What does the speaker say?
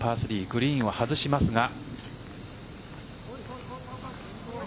グリーンを外しますが。